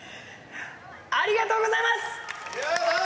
ありがとうございます。